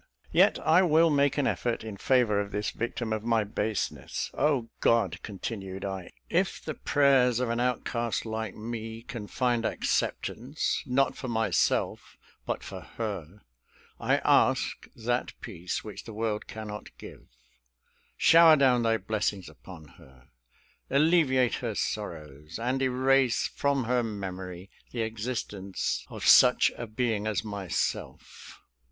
Yet I will make an effort in favour of this victim of my baseness. O God," continued I, "if the prayers of an outcast like me can find acceptance, not for myself, but for her, I ask that peace which the world cannot give; shower down thy blessings upon her, alleviate her sorrows, and erase from her memory the existence of such a being as myself.